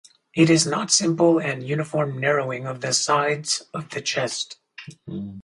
It is not simple and uniform narrowing of the sides of the chest